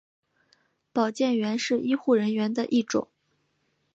保健员是医护人员的一种。